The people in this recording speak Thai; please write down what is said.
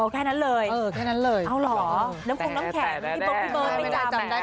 แค่นั้นเลยอ่าวเหรอน้ำคงน้ำแขกพี่ปุ๊บพี่เบิร์นไม่ได้จำ